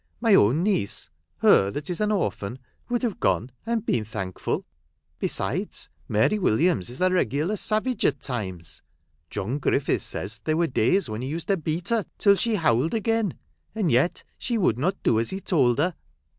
My own niece, her that is an orphan, would have gone and been thankful. Besides, Mary Williams is a regular savage at times ; John Griffiths says there were days when he used to beat her till she howled again, and yet she would not do as he told her.